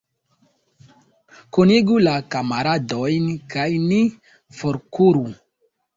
Kunigu la kamaradojn, kaj ni forkuru.